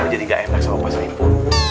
jadi gak enak sama pak saiful